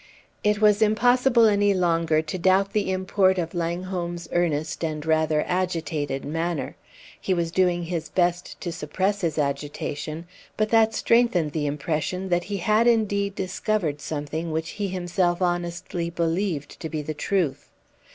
It was impossible any longer to doubt the import of Langholm's earnest and rather agitated manner. He was doing his best to suppress his agitation, but that strengthened the impression that he had indeed discovered something which he himself honestly believed to be the truth.